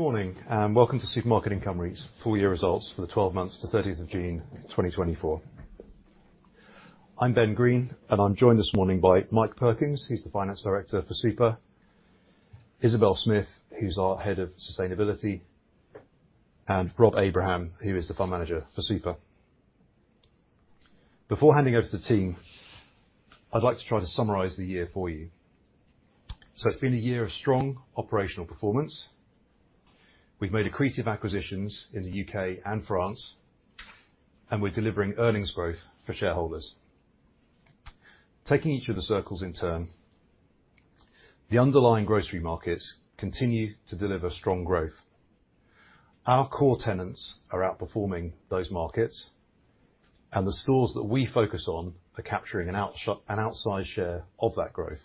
Good morning, and welcome to Supermarket Income REIT's full-year results for the 12 months to 30th of June, 2024. I'm Ben Green, and I'm joined this morning by Mike Perkins, he's the Finance Director for SUPR; Isabelle Smith, who's our Head of Sustainability; and Rob Abraham, who is the Fund Manager for SUPR. Before handing over to the team, I'd like to try to summarize the year for you. So it's been a year of strong operational performance. We've made accretive acquisitions in the U.K. and France, and we're delivering earnings growth for shareholders. Taking each of the circles in turn, the underlying grocery markets continue to deliver strong growth. Our core tenants are outperforming those markets, and the stores that we focus on are capturing an outsized share of that growth.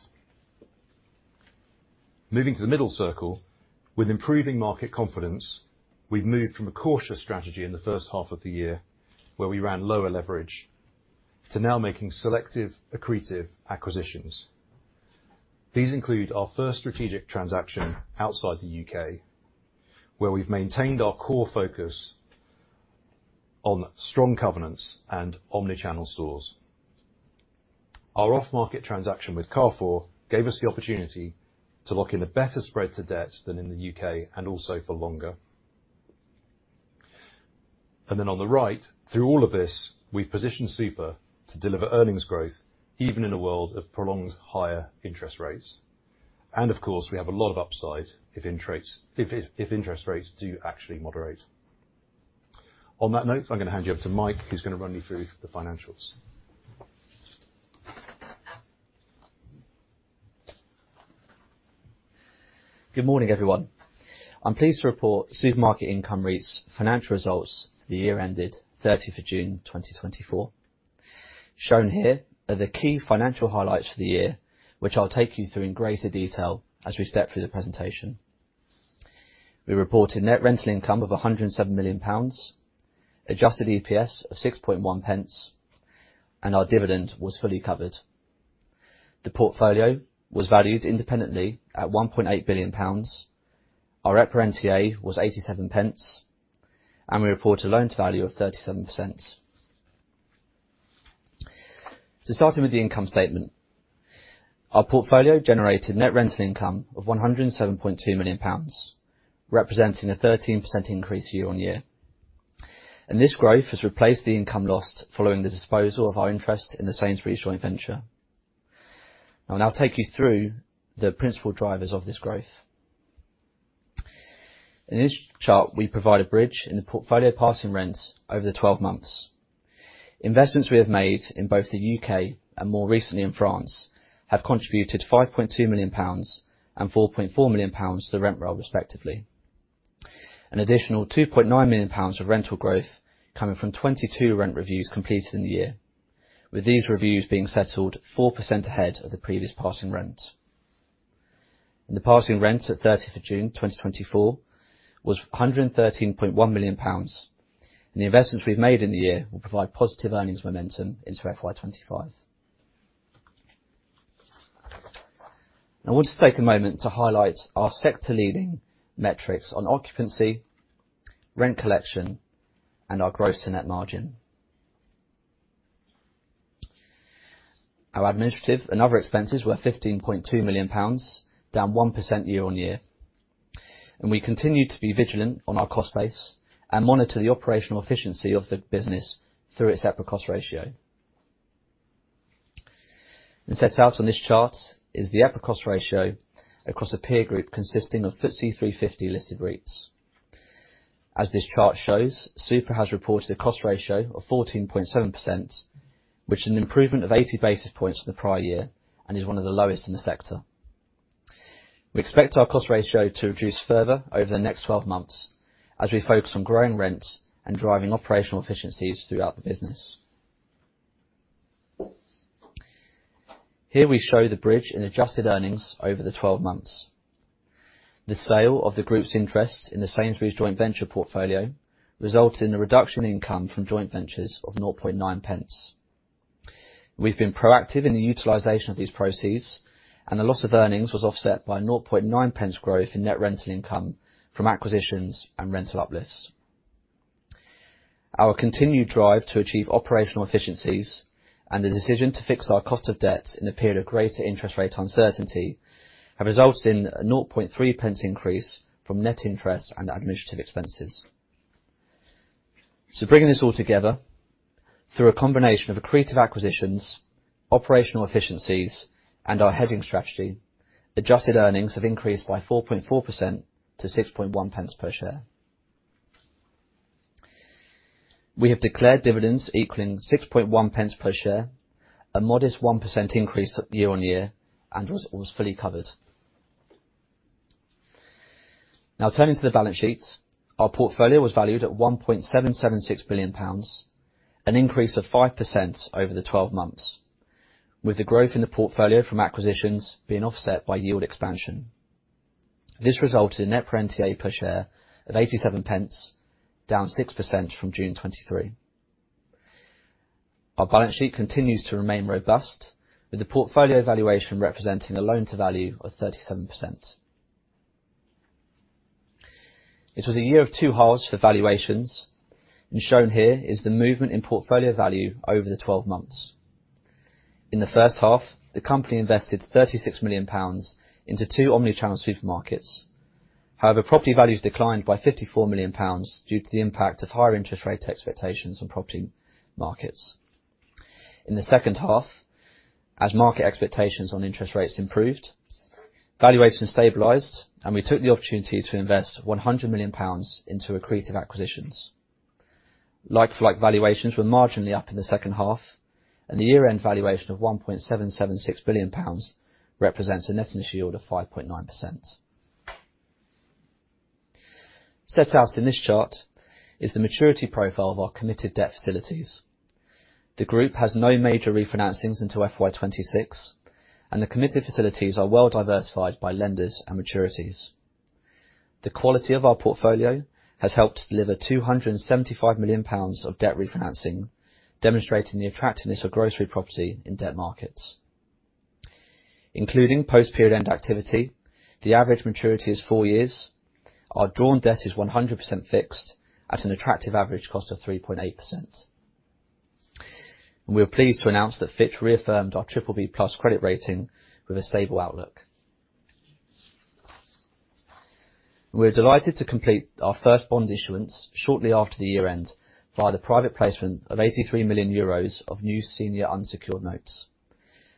Moving to the middle circle, with improving market confidence, we've moved from a cautious strategy in the first half of the year, where we ran lower leverage, to now making selective, accretive acquisitions. These include our first strategic transaction outside the U.K., where we've maintained our core focus on strong covenants and omni-channel stores. Our off-market transaction with Carrefour gave us the opportunity to lock in a better spread to debt than in the U.K., and also for longer. And then on the right, through all of this, we've positioned SUPR to deliver earnings growth, even in a world of prolonged higher interest rates. And of course, we have a lot of upside, if interest rates do actually moderate. On that note, I'm gonna hand you off to Mike, who's gonna run you through the financials. Good morning, everyone. I'm pleased to report Supermarket Income REIT's financial results for the year ended 30th of June, 2024. Shown here are the key financial highlights for the year, which I'll take you through in greater detail as we step through the presentation. We reported net rental income of 107 million pounds, adjusted EPS of GBP 0.6.1, and our dividend was fully covered. The portfolio was valued independently at 1.8 billion pounds. Our EPRA NTA was 0.87, and we report a loan-to-value of 37%. Starting with the income statement. Our portfolio generated net rental income of 107.2 million pounds, representing a 13% increase year-on-year. This growth has replaced the income lost following the disposal of our interest in the Sainsbury's joint venture. I'll now take you through the principal drivers of this growth. In this chart, we provide a bridge in the portfolio passing rents over the 12 months. Investments we have made in both the U.K. and more recently in France, have contributed 5.2 million pounds and 4.4 million pounds to the rent roll, respectively. An additional 2.9 million pounds of rental growth coming from 22 rent reviews completed in the year, with these reviews being settled 4% ahead of the previous passing rent, and the passing rent at 30th of June 2024, was GBP 113.1 million, and the investments we've made in the year will provide positive earnings momentum into FY 2025. I want to take a moment to highlight our sector-leading metrics on occupancy, rent collection, and our gross to net margin. Our administrative and other expenses were 15.2 million pounds, down 1% year-on-year, and we continue to be vigilant on our cost base and monitor the operational efficiency of the business through its EPRA cost ratio, and set out on this chart is the EPRA cost ratio across a peer group consisting of FTSE 350-listed REITs. As this chart shows, SUPR has reported a cost ratio of 14.7%, which is an improvement of 80 basis points from the prior year and is one of the lowest in the sector. We expect our cost ratio to reduce further over the next 12 months as we focus on growing rents and driving operational efficiencies throughout the business. Here we show the bridge in adjusted earnings over the 12 months. The sale of the group's interest in the Sainsbury's joint venture portfolio resulted in the reduction in income from joint ventures of 0.9. We've been proactive in the utilization of these proceeds, and the loss of earnings was offset by 0.9 growth in net rental income from acquisitions and rental uplifts. Our continued drive to achieve operational efficiencies and the decision to fix our cost of debt in a period of greater interest rate uncertainty, have resulted in a 0.3 increase from net interest and administrative expenses. Bringing this all together, through a combination of accretive acquisitions, operational efficiencies, and our hedging strategy, adjusted earnings have increased by 4.4% to 6.1 per share. We have declared dividends equaling 6.1 per share, a modest 1% increase year-on-year, and was fully covered. Now turning to the balance sheet. Our portfolio was valued at 1.776 billion pounds, an increase of 5% over the 12 months, with the growth in the portfolio from acquisitions being offset by yield expansion. This resulted in net EPRA NTA per share at 0.87, down 6% from June 2023. Our balance sheet continues to remain robust, with the portfolio valuation representing a loan-to-value of 37%. It was a year of two halves for valuations, and shown here is the movement in portfolio value over the 12 months. In the first half, the company invested 36 million pounds into two omni-channel supermarkets. However, property values declined by 54 million pounds due to the impact of higher interest rate expectations on property markets. In the second half, as market expectations on interest rates improved, valuations stabilized, and we took the opportunity to invest 100 million pounds into accretive acquisitions. Like-for-like valuations were marginally up in the second half, and the year-end valuation of 1.776 billion pounds represents a net initial yield of 5.9%. Set out in this chart is the maturity profile of our committed debt facilities. The group has no major refinancings into FY 2026, and the committed facilities are well diversified by lenders and maturities. The quality of our portfolio has helped deliver 275 million pounds of debt refinancing, demonstrating the attractiveness of grocery property in debt markets. Including post-period end activity, the average maturity is four years. Our drawn debt is 100% fixed at an attractive average cost of 3.8%. We are pleased to announce that Fitch reaffirmed our triple B+ credit rating with a stable outlook. We're delighted to complete our first bond issuance shortly after the year-end, via the private placement of 83 million euros of new senior unsecured notes.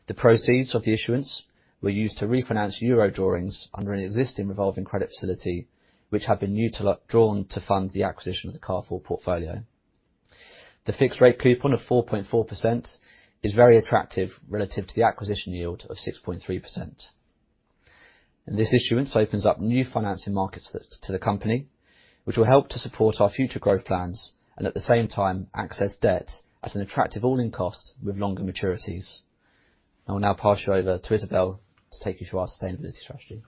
The proceeds of the issuance were used to refinance euro drawings under an existing revolving credit facility, which had been drawn to fund the acquisition of the Carrefour portfolio. The fixed rate coupon of 4.4% is very attractive relative to the acquisition yield of 6.3%. And this issuance opens up new financing markets to the company, which will help to support our future growth plans, and at the same time, access debt at an attractive all-in cost with longer maturities. I will now pass you over to Isabel to take you through our sustainability strategy.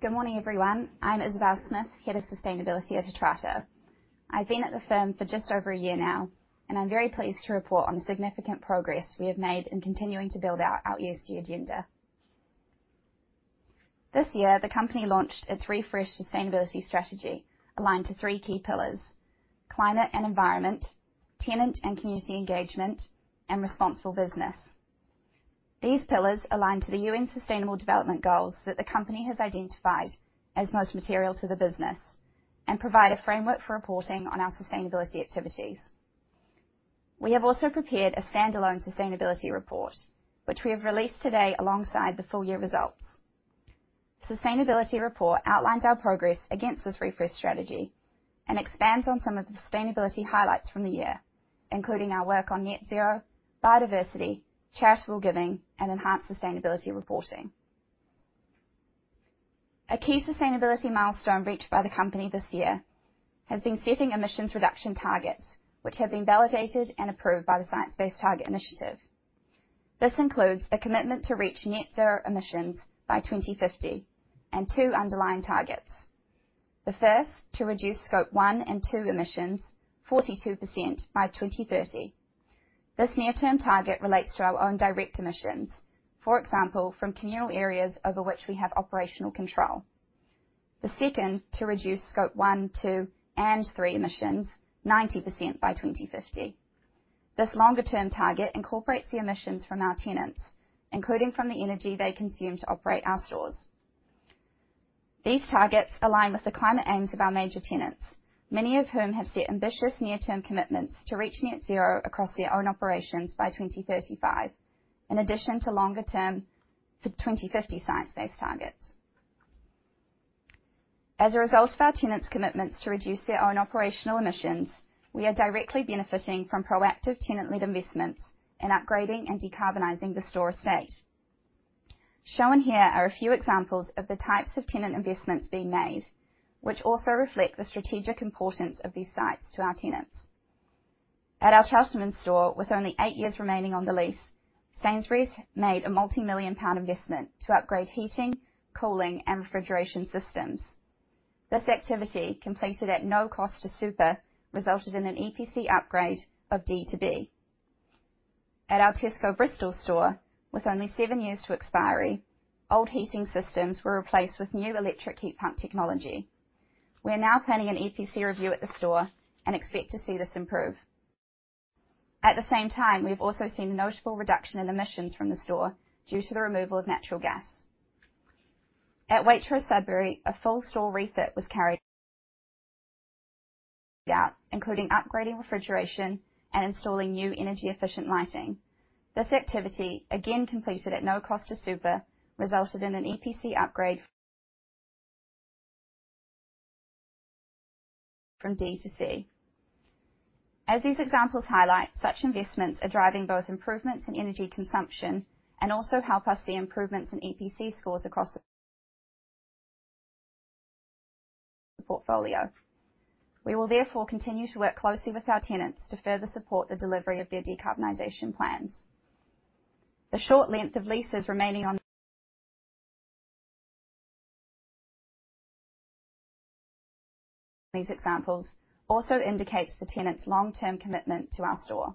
Good morning, everyone. I'm Isabel Smith, Head of Sustainability at Atrato. I've been at the firm for just over a year now, and I'm very pleased to report on the significant progress we have made in continuing to build our ESG agenda. This year, the company launched its refreshed sustainability strategy, aligned to three key pillars: climate and environment, tenant and community engagement, and responsible business. These pillars align to the U.N. Sustainable Development Goals that the company has identified as most material to the business and provide a framework for reporting on our sustainability activities. We have also prepared a standalone sustainability report, which we have released today alongside the full year results. Sustainability report outlines our progress against this refreshed strategy and expands on some of the sustainability highlights from the year, including our work on net zero, biodiversity, charitable giving, and enhanced sustainability reporting. A key sustainability milestone reached by the company this year has been setting emissions reduction targets, which have been validated and approved by the Science Based Targets initiative. This includes a commitment to reach net zero emissions by 2050 and two underlying targets. The first, to reduce Scope 1 and 2 emissions 42% by 2030. This near-term target relates to our own direct emissions, for example, from communal areas over which we have operational control. The second, to reduce Scope 1, 2, and 3 emissions 90% by 2050. This longer-term target incorporates the emissions from our tenants, including from the energy they consume to operate our stores. These targets align with the climate aims of our major tenants, many of whom have set ambitious near-term commitments to reach net zero across their own operations by 2035, in addition to longer term, the 2050 science-based targets. As a result of our tenants' commitments to reduce their own operational emissions, we are directly benefiting from proactive tenant-led investments in upgrading and decarbonizing the store estate. Shown here are a few examples of the types of tenant investments being made, which also reflect the strategic importance of these sites to our tenants. At our Cheltenham store, with only eight years remaining on the lease, Sainsbury's made a multimillion-pound investment to upgrade heating, cooling, and refrigeration systems. This activity, completed at no cost to Super, resulted in an EPC upgrade of D to B. At our Tesco Bristol store, with only seven years to expiry, old heating systems were replaced with new electric heat pump technology. We are now planning an EPC review at the store and expect to see this improve. At the same time, we've also seen a notable reduction in emissions from the store due to the removal of natural gas. At Waitrose, Sudbury, a full store refit was carried out, including upgrading refrigeration and installing new energy-efficient lighting. This activity, again, completed at no cost to Super, resulted in an EPC upgrade from D to C. As these examples highlight, such investments are driving both improvements in energy consumption and also help us see improvements in EPC scores across the portfolio. We will therefore continue to work closely with our tenants to further support the delivery of their decarbonization plans. The short length of leases remaining on these examples also indicates the tenant's long-term commitment to our store.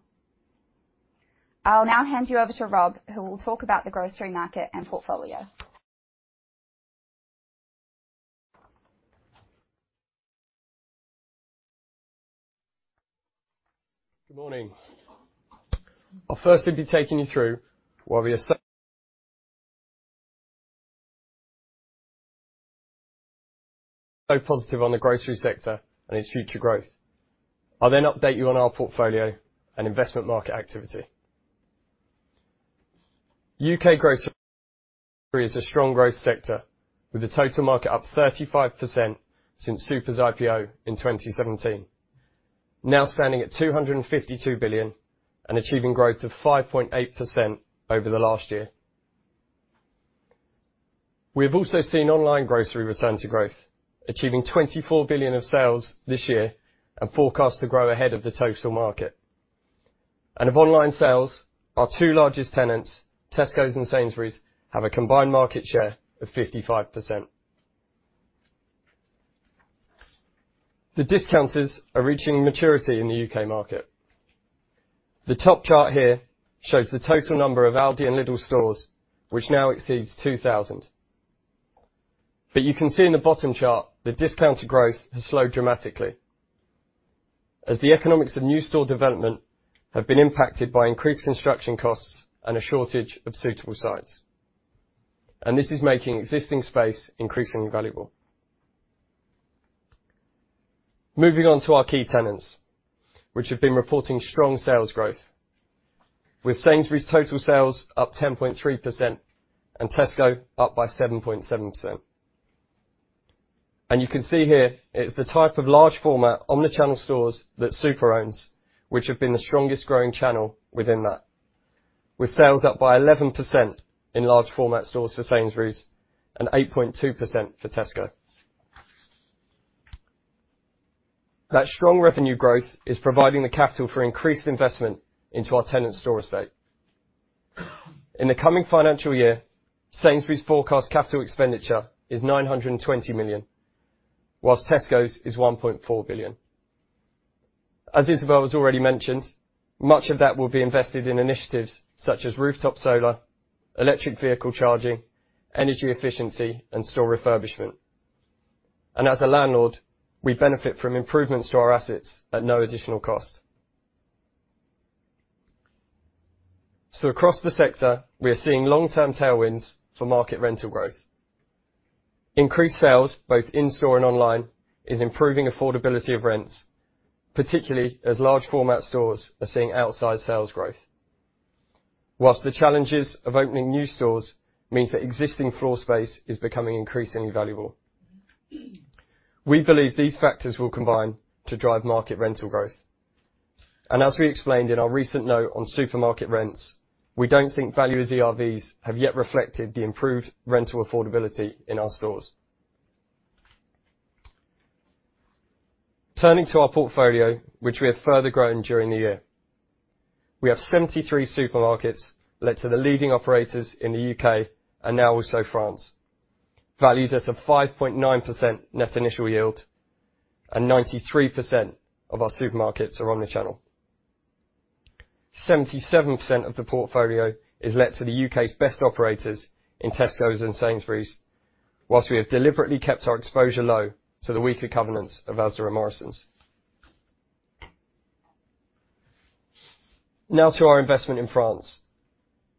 I'll now hand you over to Rob, who will talk about the grocery market and portfolio. Good morning. I'll firstly be taking you through why we are so positive on the grocery sector and its future growth. I'll then update you on our portfolio and investment market activity. U.K. grocery is a strong growth sector, with the total market up 35% since SUPR's IPO in 2017, now standing at 252 billion and achieving growth of 5.8% over the last year. We have also seen online grocery return to growth, achieving 24 billion of sales this year and forecast to grow ahead of the total market. And of online sales, our two largest tenants, Tesco's and Sainsbury's, have a combined market share of 55%. The discounters are reaching maturity in the U.K. market. The top chart here shows the total number of Aldi and Lidl stores, which now exceeds 2,000. But you can see in the bottom chart, the discounter growth has slowed dramatically, as the economics of new store development have been impacted by increased construction costs and a shortage of suitable sites. And this is making existing space increasingly valuable. Moving on to our key tenants, which have been reporting strong sales growth, with Sainsbury's total sales up 10.3% and Tesco up by 7.7%. And you can see here, it's the type of large format, omni-channel stores that SUPR owns, which have been the strongest growing channel within that, with sales up by 11% in large format stores for Sainsbury's and 8.2% for Tesco. That strong revenue growth is providing the capital for increased investment into our tenant store estate. In the coming financial year, Sainsbury's forecast capital expenditure is 920 million, whilst Tesco's is 1.4 billion. As Isabel has already mentioned, much of that will be invested in initiatives such as rooftop solar, electric vehicle charging, energy efficiency, and store refurbishment. And as a landlord, we benefit from improvements to our assets at no additional cost. So across the sector, we are seeing long-term tailwinds for market rental growth. Increased sales, both in-store and online, is improving affordability of rents, particularly as large format stores are seeing outsized sales growth. Whilst the challenges of opening new stores means that existing floor space is becoming increasingly valuable, we believe these factors will combine to drive market rental growth. And as we explained in our recent note on supermarket rents, we don't think valuer's ERVs have yet reflected the improved rental affordability in our stores. Turning to our portfolio, which we have further grown during the year, we have 73 supermarkets let to the leading operators in the U.K., and now also France, valued at a 5.9% net initial yield, and 93% of our supermarkets are omni-channel. 77% of the portfolio is let to the U.K.'s best operators in Tesco's and Sainsbury's, while we have deliberately kept our exposure low to the weaker covenants of Asda and Morrisons. Now to our investment in France.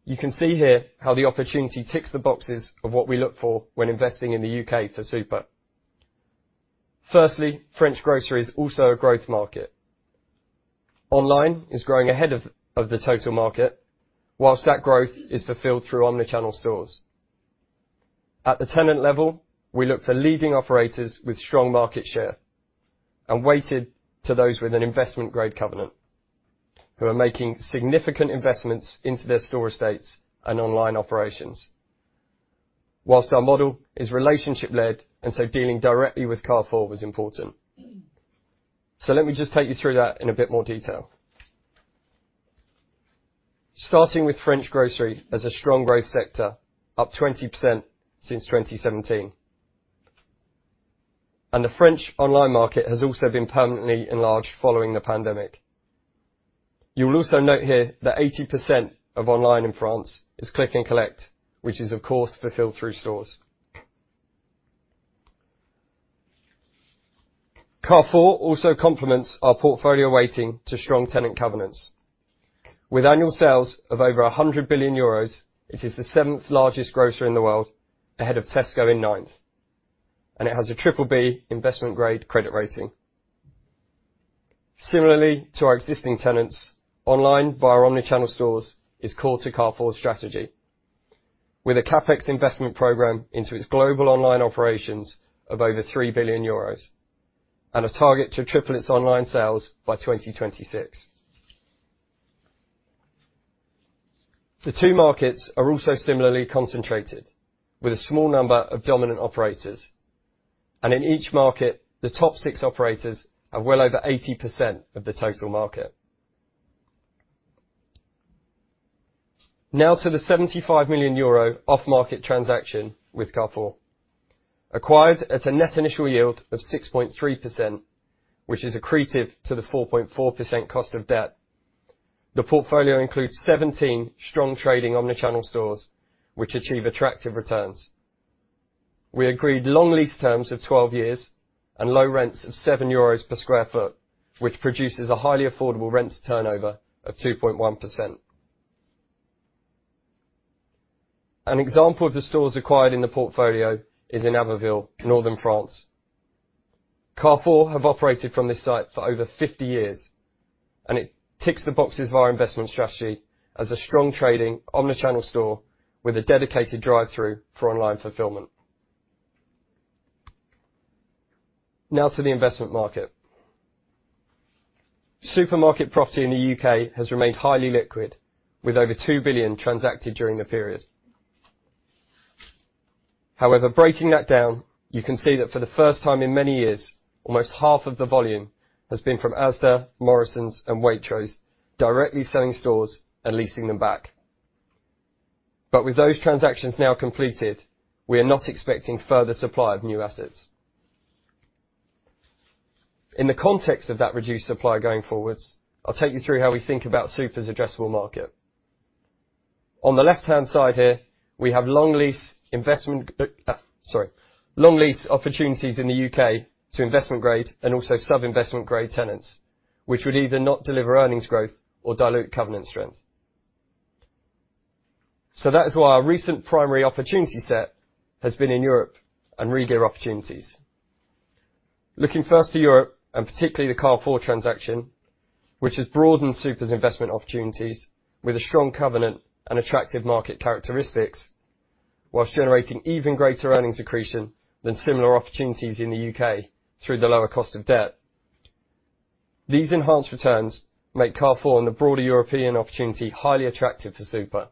You can see here how the opportunity ticks the boxes of what we look for when investing in the U.K. for Super. Firstly, French grocery is also a growth market. Online is growing ahead of the total market, while that growth is fulfilled through omni-channel stores. At the tenant level, we look for leading operators with strong market share and weighted to those with an investment-grade covenant, who are making significant investments into their store estates and online operations. Whilst our model is relationship-led, and so dealing directly with Carrefour was important. So let me just take you through that in a bit more detail. Starting with French grocery as a strong growth sector, up 20% since 2017. And the French online market has also been permanently enlarged following the pandemic. You will also note here that 80% of online in France is click and collect, which is, of course, fulfilled through stores. Carrefour also complements our portfolio weighting to strong tenant covenants. With annual sales of over 100 billion euros, it is the seventh largest grocer in the world, ahead of Tesco in ninth. It has a triple B investment-grade credit rating. Similarly to our existing tenants, online, via our omni-channel stores, is core to Carrefour's strategy, with a CapEx investment program into its global online operations of over 3 billion euros, and a target to triple its online sales by 2026. The two markets are also similarly concentrated, with a small number of dominant operators... and in each market, the top six operators are well over 80% of the total market. Now to the 75 million euro off-market transaction with Carrefour. Acquired at a net initial yield of 6.3%, which is accretive to the 4.4% cost of debt. The portfolio includes 17 strong trading omni-channel stores, which achieve attractive returns. We agreed long lease terms of 12 years and low rents of 7 euros per sq ft, which produces a highly affordable rent to turnover of 2.1%. An example of the stores acquired in the portfolio is in Abbeville, northern France. Carrefour have operated from this site for over 50 years, and it ticks the boxes of our investment strategy as a strong trading omni-channel store with a dedicated drive-through for online fulfillment. Now to the investment market. Supermarket property in the U.K. has remained highly liquid, with over 2 billion transacted during the period. However, breaking that down, you can see that for the first time in many years, almost half of the volume has been from Asda, Morrisons, and Waitrose directly selling stores and leasing them back. But with those transactions now completed, we are not expecting further supply of new assets. In the context of that reduced supply going forwards, I'll take you through how we think about SUPR's addressable market. On the left-hand side here, we have long lease investment, long lease opportunities in the U.K. to investment grade and also sub-investment grade tenants, which would either not deliver earnings growth or dilute covenant strength. So that is why our recent primary opportunity set has been in Europe and regear opportunities. Looking first to Europe, and particularly the Carrefour transaction, which has broadened SUPR's investment opportunities with a strong covenant and attractive market characteristics, while generating even greater earnings accretion than similar opportunities in the U.K. through the lower cost of debt. These enhanced returns make Carrefour and the broader European opportunity highly attractive to Super.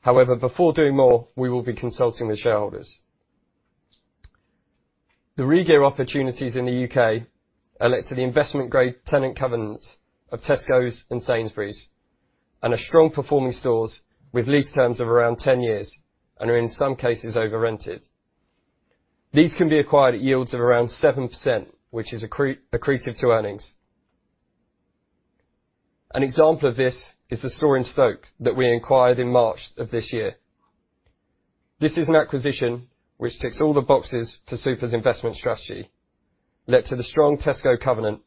However, before doing more, we will be consulting with shareholders. The regear opportunities in the U.K. are led by the investment-grade tenant covenants of Tesco and Sainsbury's, and are strong performing stores with lease terms of around 10 years and are, in some cases, over-rented. These can be acquired at yields of around 7%, which is accretive to earnings. An example of this is the store in Stoke that we acquired in March of this year. This is an acquisition which ticks all the boxes for SUPR's investment strategy, led by the strong Tesco covenant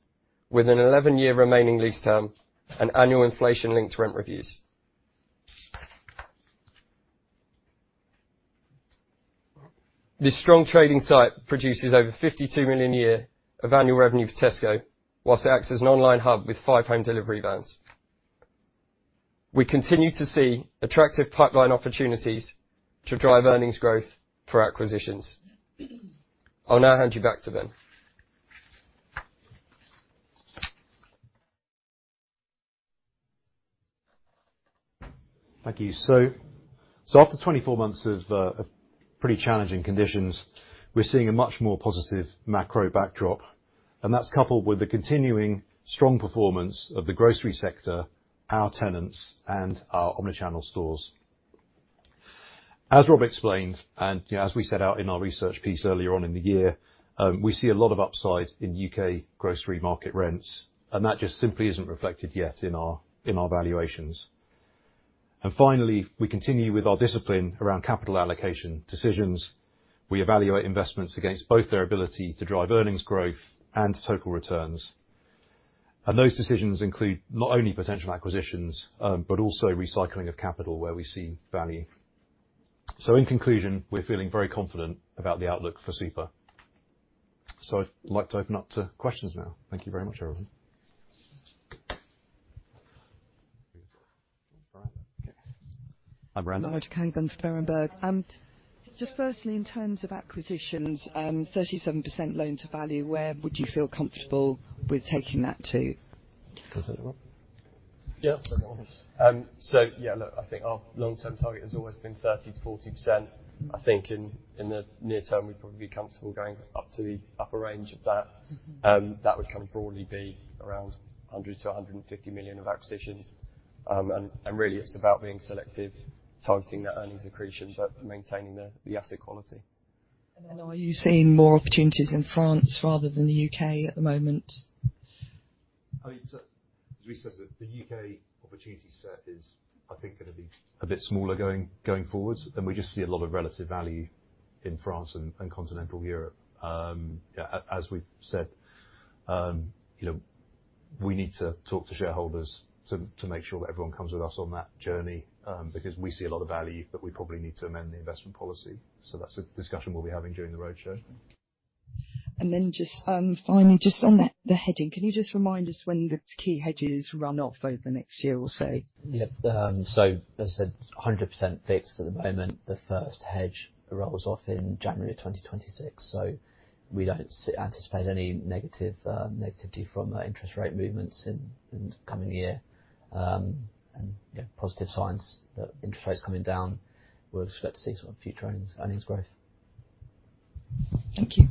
with an 11-year remaining lease term and annual inflation-linked rent reviews. This strong trading site produces over 52 million a year of annual revenue for Tesco, whilst it acts as an online hub with 5 home delivery vans. We continue to see attractive pipeline opportunities to drive earnings growth for acquisitions. I'll now hand you back to Ben. Thank you. So after 24 months of pretty challenging conditions, we're seeing a much more positive macro backdrop, and that's coupled with the continuing strong performance of the grocery sector, our tenants, and our omni-channel stores. As Rob explained, and you know, as we set out in our research piece earlier on in the year, we see a lot of upside in U.K. grocery market rents, and that just simply isn't reflected yet in our valuations. And finally, we continue with our discipline around capital allocation decisions. We evaluate investments against both their ability to drive earnings growth and total returns. And those decisions include not only potential acquisitions, but also recycling of capital where we see value. So in conclusion, we're feeling very confident about the outlook for Super. So I'd like to open up to questions now. Thank you very much, everyone. Hi, Miranda Cockburn, Berenberg. Just firstly, in terms of acquisitions, 37% loan-to-value, where would you feel comfortable with taking that to? Go ahead, Rob. Yeah. So, yeah, look, I think our long-term target has always been 30%-40%. I think in the near term, we'd probably be comfortable going up to the upper range of that. Mm-hmm. That would kind of broadly be around 100-150 million of acquisitions. Really, it's about being selective, targeting the earnings accretion, but maintaining the asset quality. And then are you seeing more opportunities in France rather than the U.K. at the moment? I mean, so we said that the U.K. opportunity set is, I think, going to be a bit smaller going forwards, and we just see a lot of relative value in France and continental Europe. Yeah, as we've said, you know, we need to talk to shareholders to make sure that everyone comes with us on that journey, because we see a lot of value, but we probably need to amend the investment policy. So that's a discussion we'll be having during the roadshow. And then just, finally, just on the hedging, can you just remind us when the key hedges run off over the next year or so? Yeah. So as I said, 100% fixed for the moment, the first hedge rolls off in January of 2026. So we don't anticipate any negative negativity from our interest rate movements in the coming year. And positive signs that interest rates coming down, we're expect to see some future earnings growth. Thank you.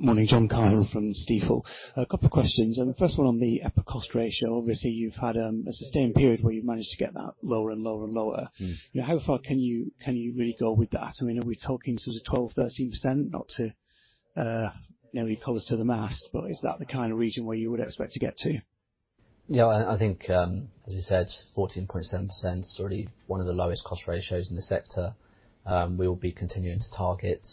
Morning, John from Stifel. A couple of questions. The first one on the EPRA cost ratio. Obviously, you've had a sustained period where you've managed to get that lower and lower and lower. Mm-hmm. Now, how far can you really go with that? I mean, are we talking sort of 12%-13%, not to nail your colors to the mast, but is that the kind of region where you would expect to get to? Yeah, I think, as you said, 14.7% is already one of the lowest cost ratios in the sector. We will be continuing to target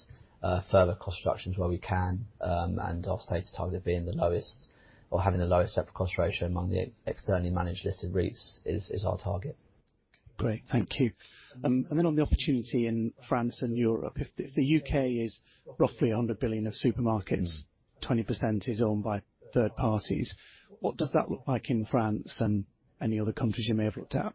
further cost reductions where we can, and our stated target being the lowest or having the lowest EPRA cost ratio among the externally managed listed REITs is our target. Great, thank you, and then on the opportunity in France and Europe, if the U.K. is roughly 100 billion of supermarkets 20% is owned by third parties. What does that look like in France and any other countries you may have looked at?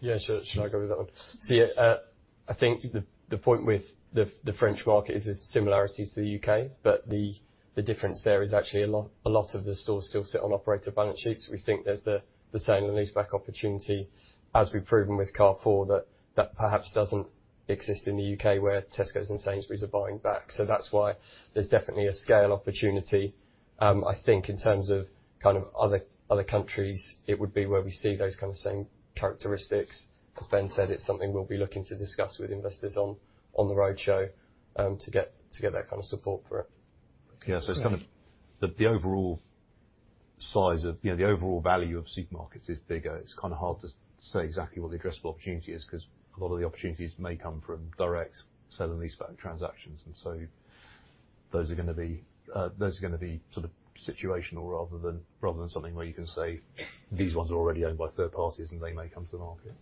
Yeah, sure. Should I go with that one? See, I think the point with the French market is its similarities to the U.K., but the difference there is actually a lot of the stores still sit on operator balance sheets. We think there's the sale and leaseback opportunity, as we've proven with Carrefour, that perhaps doesn't exist in the U.K., where Tescos and Sainsbury's are buying back. So that's why there's definitely a scale opportunity. I think in terms of kind of other countries, it would be where we see those kind of same characteristics. As Ben said, it's something we'll be looking to discuss with investors on the roadshow, to get that kind of support for it. Yeah. Yeah, so it's kind of the overall size of, you know, the overall value of supermarkets is bigger. It's kind of hard to say exactly what the addressable opportunity is, 'cause a lot of the opportunities may come from direct sell and leaseback transactions. And so those are gonna be those are gonna be sort of situational rather than something where you can say, these ones are already owned by third parties, and they may come to the market.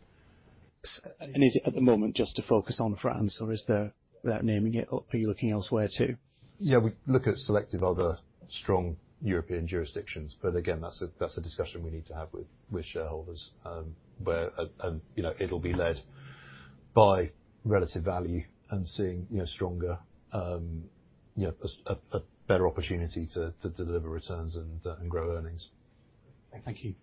And is it at the moment just to focus on France, or is there, without naming it, are you looking elsewhere, too? Yeah, we look at selective other strong European jurisdictions, but again, that's a discussion we need to have with shareholders. You know, it'll be led by relative value and seeing, you know, stronger, you know, a better opportunity to deliver returns and grow earnings. Thank you.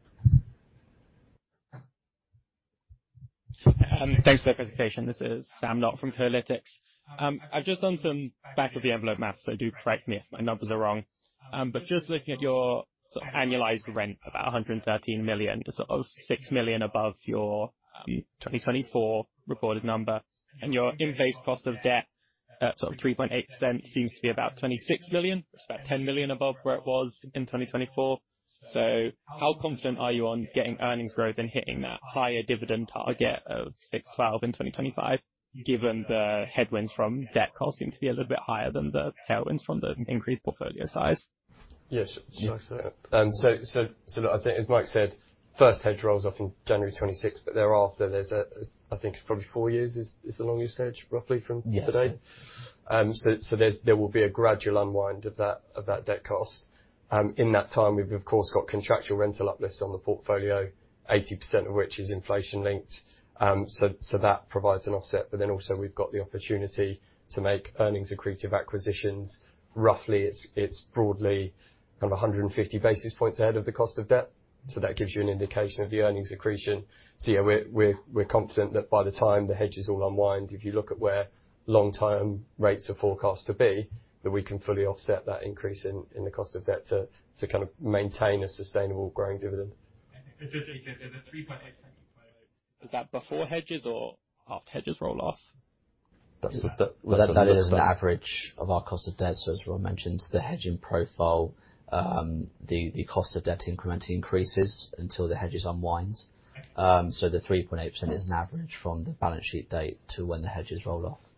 Thanks for the presentation. This is Sam Knott from Kolytics. I've just done some back-of-the-envelope math, so do correct me if my numbers are wrong, but just looking at your sort of annualized rent, about 113 million, sort of 6 million above your 2024 recorded number, and your all-in cost of debt at sort of 3.8% seems to be about 26 million. It's about 10 million above where it was in 2024, so how confident are you on getting earnings growth and hitting that higher dividend target of 6,000 in 2025, given the headwinds from debt cost seem to be a little bit higher than the tailwinds from the increased portfolio size? Yes, sure. So I think, as Mike said, first hedge rolls off in January 2026, but thereafter, there's, as I think, probably four years is the longest hedge, roughly from today? Yes. So there's a gradual unwind of that debt cost. In that time, we've of course got contractual rental uplifts on the portfolio, 80% of which is inflation-linked. So that provides an offset, but then also we've got the opportunity to make earnings accretive acquisitions. Roughly, it's broadly kind of 150 basis points ahead of the cost of debt, so that gives you an indication of the earnings accretion. So yeah, we're confident that by the time the hedge is all unwind, if you look at where long-term rates are forecast to be, that we can fully offset that increase in the cost of debt to kind of maintain a sustainable growing dividend. Just because there's a three point eight, is that before hedges or after hedges roll off? That's the- That is an average of our cost of debt. As Rob mentioned, the hedging profile, the cost of debt incrementally increases until the hedges unwinds. So the 3.8% is an average from the balance sheet date to when the hedges roll off. Thanks.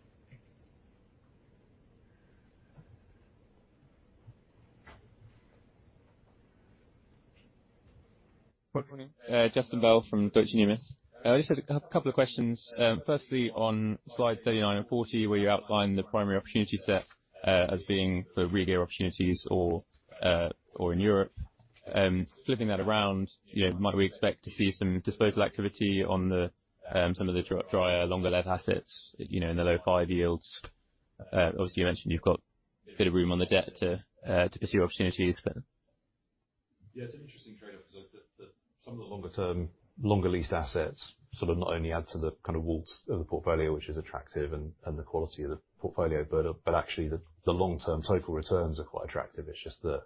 Good morning. Justin Bell from Deutsche Numis. I just had a couple of questions. Firstly, on slide 39 and 40, where you outline the primary opportunity set, as being for regear opportunities or in Europe. Flipping that around, you know, might we expect to see some disposal activity on some of the drier, longer lead assets, you know, in the low 5% yields? Obviously, you mentioned you've got a bit of room on the debt to pursue opportunities then. Yeah, it's an interesting trade-off, because the some of the longer term longer lease assets sort of not only add to the kind of WAULT of the portfolio, which is attractive, and the quality of the portfolio, but actually the long term total returns are quite attractive. It's just that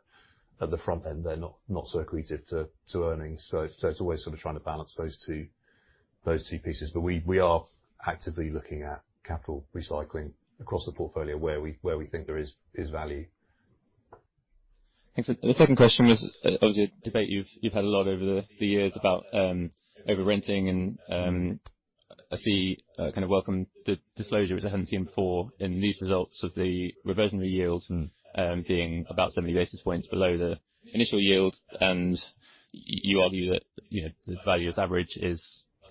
at the front end, they're not so accretive to earnings. So it's always sort of trying to balance those two pieces. But we are actively looking at capital recycling across the portfolio where we think there is value. Thanks. The second question was, obviously, a debate you've had a lot over the years about over renting and, I see, kind of welcome the disclosure, which I haven't seen before, in these results of the reversionary yields and, being about 70 basis points below the initial yield. And you argue that, you know, the value is average, is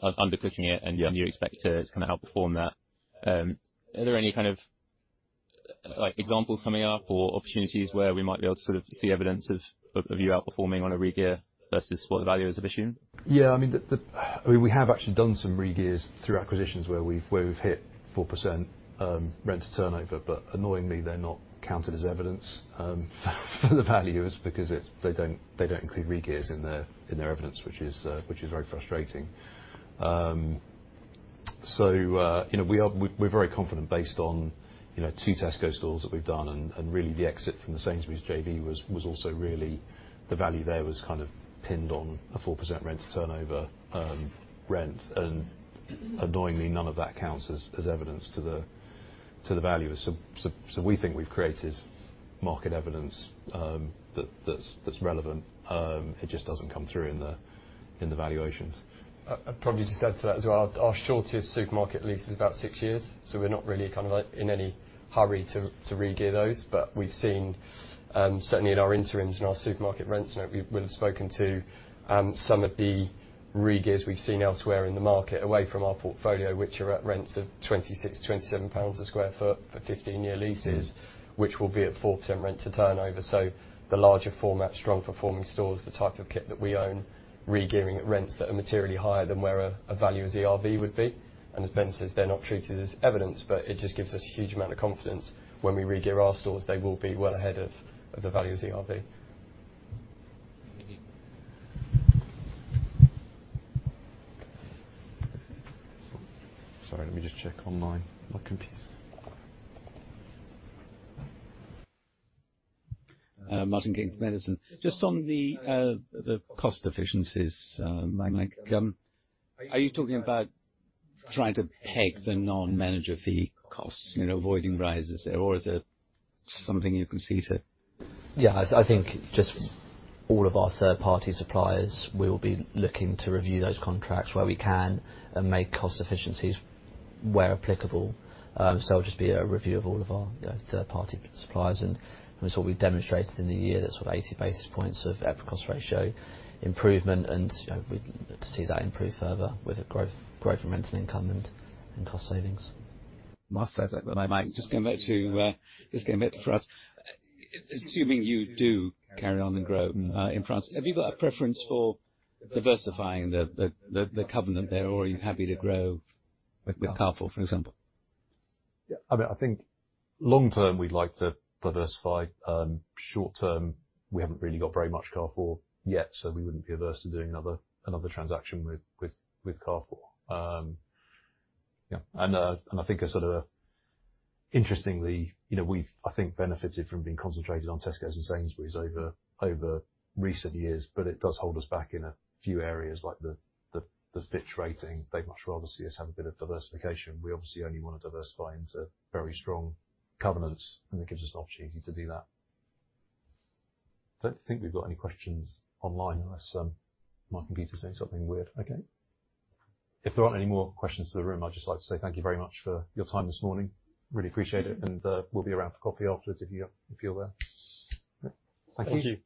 undercooking it, and you expect to kind of outperform that. Are there any kind of like, examples coming up or opportunities where we might be able to sort of see evidence of you outperforming on a regear versus what the valuers have assumed? Yeah, I mean, we have actually done some regears through acquisitions where we've hit 4% rent to turnover, but annoyingly, they're not counted as evidence for the valuers, because it's they don't include regears in their evidence, which is very frustrating. So, you know, we are very confident, based on, you know, two Tesco stores that we've done, and really the exit from the Sainsbury's JV was also really the value there was kind of pinned on a 4% rent to turnover rent, and annoyingly, none of that counts as evidence to the valuers. So we think we've created market evidence that that's relevant. It just doesn't come through in the valuations. I'd probably just add to that as well. Our shortest supermarket lease is about six years, so we're not really kind of, like, in any hurry to regear those, but we've seen certainly in our interims and our supermarket rents, you know, we've spoken to some of the regears we've seen elsewhere in the market, away from our portfolio, which are at rents of 26-27 pounds a sq ft for 15-year leases, which will be at 4% rent to turnover. So the larger format, strong performing stores, the type of kit that we own, regearing at rents that are materially higher than where a valuers ERV would be, and as Ben says, they're not treated as evidence, but it just gives us a huge amount of confidence when we regear our stores, they will be well ahead of the valuers ERV. Sorry, let me just check online, my computer. Martyn King, Edison. Just on the cost efficiencies, Mike, are you talking about trying to peg the non-management fee costs, you know, avoiding rises, or is there something you can see to? Yeah, I think just all of our third-party suppliers, we will be looking to review those contracts where we can and make cost efficiencies where applicable. So it'll just be a review of all of our, you know, third-party suppliers, and that's what we've demonstrated in the year. That's sort of 80 basis points of EPRA cost ratio improvement, and, you know, we'd like to see that improve further with a growth in rents and income and cost savings. Must say that, but I might just come back to, just come back to us. Assuming you do carry on and grow, in France, have you got a preference for diversifying the covenant there, or are you happy to grow with Carrefour, for example? Yeah, I mean, I think long term, we'd like to diversify. Short term, we haven't really got very much Carrefour yet, so we wouldn't be averse to doing another transaction with Carrefour. Yeah, and I think a sort of interestingly, you know, we've, I think, benefited from being concentrated on Tesco and Sainsbury's over recent years, but it does hold us back in a few areas, like the Fitch rating. They'd much rather see us have a bit of diversification. We obviously only want to diversify into very strong covenants, and it gives us an opportunity to do that. Don't think we've got any questions online, unless Martin King is saying something weird. Okay. If there aren't any more questions in the room, I'd just like to say thank you very much for your time this morning. Really appreciate it, and, we'll be around for coffee afterwards if you, if you're there. Thank you. Thank you.